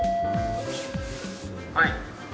「はい」